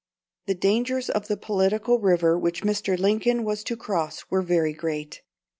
'" The dangers of the political river which Mr. Lincoln was to cross were very great.